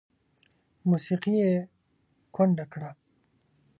موسیقي یې کونډه کړه